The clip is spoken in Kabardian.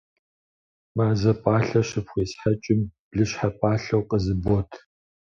Мазэ пӏалъэр щыпхуесхьэкӏым, блыщхьэ пӏалъэу къызыбот.